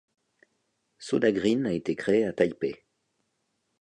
Sodagreen a été créé à Taipei.